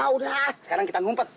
udah sekarang kita ngumpet